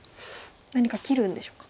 何か切るんでしょうか。